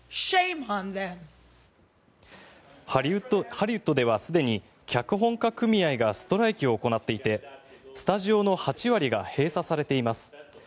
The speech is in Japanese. ハリウッドでは、すでに脚本家組合がストライキを行っていてスタジオの８割が閉鎖されています。